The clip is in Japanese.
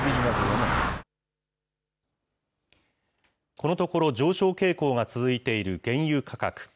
このところ、上昇傾向が続いている原油価格。